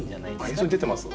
演奏に出てます？